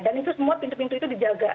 dan itu semua pintu pintu itu dijaga